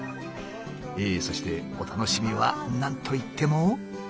ええそしてお楽しみは何といっても。